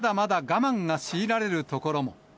一方、まだまだ我慢が強いられるところも。